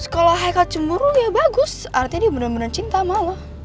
kalau haikal cemburu ya bagus artinya dia bener bener cinta sama lo